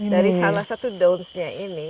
dari salah satu downsnya ini